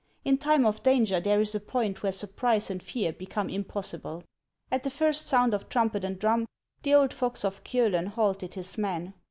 In time of danger there is a point where sur prise and fear become impossible. At the first sound of trumpet and drum the old fox of Kiolen halted his men.